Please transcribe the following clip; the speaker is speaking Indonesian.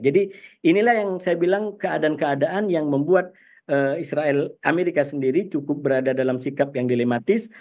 jadi inilah yang saya bilang keadaan keadaan yang membuat israel amerika sendiri cukup berada dalam sikap yang dilematis